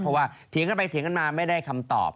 เพราะว่าเถียงกันไปเถียงกันมาไม่ได้คำตอบ